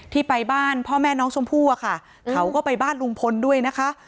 ไปบ้านพ่อแม่น้องชมพู่อะค่ะเขาก็ไปบ้านลุงพลด้วยนะคะ